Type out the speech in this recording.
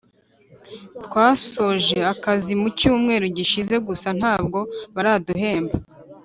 Twasoje akazi mucyumwe gishize gusa ntabwo baraduhemba